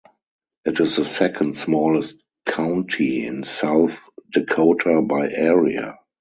It is the second-smallest county in South Dakota by area.